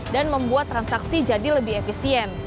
dan membuat transaksi jadi lebih efisien